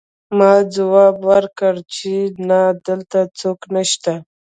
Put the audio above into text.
ما ځواب ورکړ چې نه دلته څوک نشته